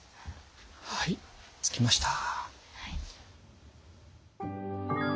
はい着きました。